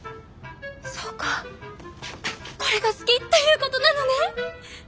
そうかこれが好きっていうことなのね！」。